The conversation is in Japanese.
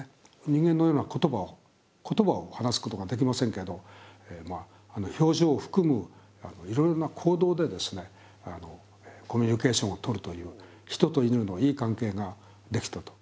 人間のような言葉を話すことができませんけど表情を含むいろいろな行動でコミュニケーションをとるという人と犬のいい関係ができたと。